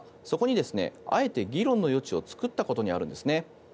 そこに、あえて議論の余地を作ったことにあるんですね。